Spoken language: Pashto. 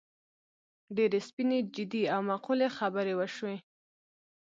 ډېرې سپینې، جدي او معقولې خبرې وشوې.